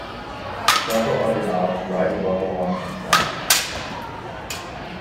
Several other knobs rise above along its length.